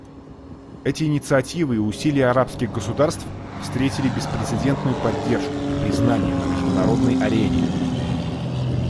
Эти инициативы и усилия арабских государств встретили беспрецедентную поддержку и признание на международной арене.